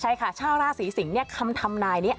ใช่ค่ะชาวราศีสิงคำทำนายนี้